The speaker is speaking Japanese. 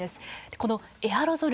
このエアロゾル